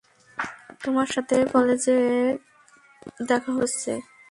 তোমার সাথে ক্লজেটে দেখা হচ্ছে।